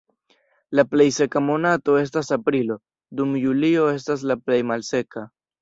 La plej seka monato estas aprilo, dum julio estas la plej malseka.